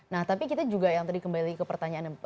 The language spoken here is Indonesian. nah tapi kita juga yang tadi kembali ke pertanyaan